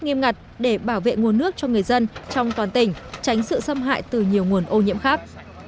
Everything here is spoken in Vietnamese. nghiêm ngặt để bảo vệ nguồn nước cho người dân trong toàn tỉnh tránh sự xâm hại từ nhiều nguồn ô nhiễm khác